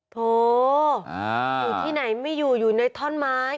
โถอยู่ที่ไหนไม่อยู่อยู่ในท่อนไม้